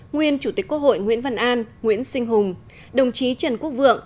nguyên chủ tịch quốc hội nguyễn văn an nguyễn sinh hùng đồng chí trần quốc vượng